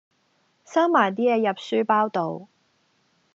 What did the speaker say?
收埋啲嘢入書包度